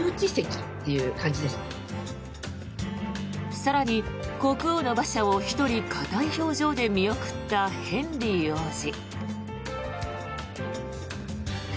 更に国王の馬車を１人、硬い表情で見送ったヘンリー王子。